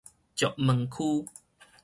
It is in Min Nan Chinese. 石門區